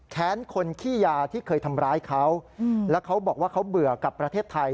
แค้นคนขี้ยาที่เคยทำร้ายเขาแล้วเขาบอกว่าเขาเบื่อกับประเทศไทย